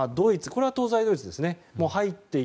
これは東西ドイツですね。